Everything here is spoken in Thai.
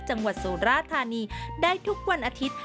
จังหวัดสุราธานีได้ทุกวันอาทิตย์